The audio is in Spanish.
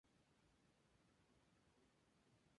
Nunca la hemos encontrado alimentándose de otra cosa.